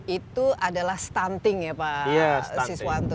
itu adalah stunting ya pak siswanto